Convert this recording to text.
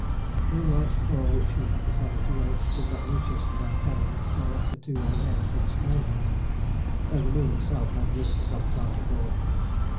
Moonlight, for which we had decided to wait, did not reach us in our canyon till after 2 A.M. next morning, though the moon itself had risen some time before.